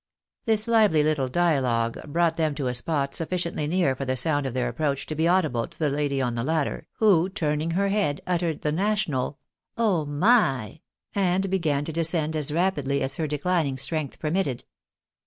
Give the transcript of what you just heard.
This lively little dialogue brought them to a spot sufficiently near for the sound of their approach to be audible to the lady on the ladder, who, turning her head, uttered the national " Oh my !" and began to descend as rapidly as her declining strength permitted.